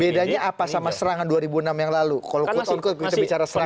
bedanya apa sama serangan dua ribu enam yang lalu kalau kut on kut kita bicara serangan dua ribu enam